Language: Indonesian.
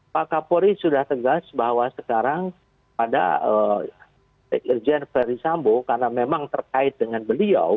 pak kapolri sudah tegas bahwa sekarang pada irjen verdi sambo karena memang terkait dengan beliau